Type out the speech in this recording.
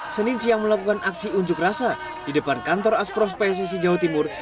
senin siang melakukan aksi unjuk rasa di depan kantor aspros pssi jawa timur